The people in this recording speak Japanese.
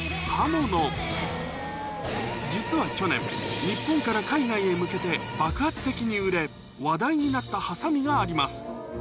実は去年日本から海外へ向けて爆発的に売れ話題になったはさみがあります